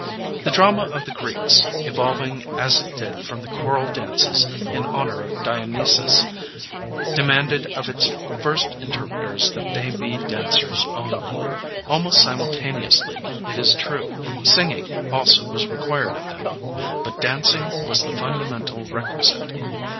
The drama of the Greeks, evolving as it did from the choral dances in honor of Dionysus, demanded of its first interpreters that they be dancers only. Almost simultaneously, it is true, 468 Digitized by Google EVOLUTION OF THE ACTOR 469 singing also was required of them; but dancing was the fundamental requisite.